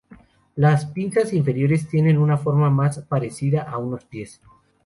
Las pinzas inferiores tienen una forma más parecida a unos pies.